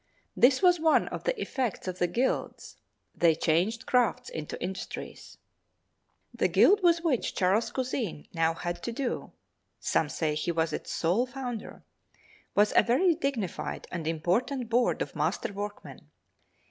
This was one of the effects of the guilds—they changed crafts into industries. The guild with which Charles Cusin now had to do—some say he was its sole founder—was a very dignified and important board of master workmen.